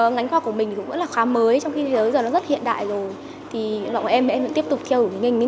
ngánh khoa của mình cũng là khoa mới